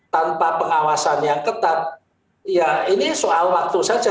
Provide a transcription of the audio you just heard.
tanpa pengawasan yang ketat ya ini soal waktu saja